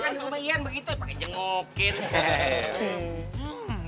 kan gue sama ian begitu pakai jengukin